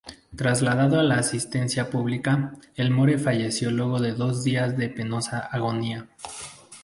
Trasladado a la asistencia pública, Elmore falleció luego de dos días de penosa agonía.